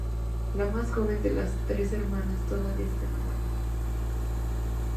La más joven de las tres hermanas, todavía está en la guardería.